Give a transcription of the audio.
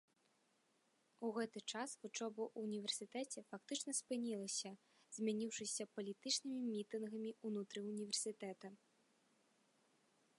У гэты час вучоба ў універсітэце фактычна спынілася, змяніўшыся палітычнымі мітынгамі ўнутры універсітэта.